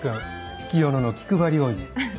月夜野の気配り王子。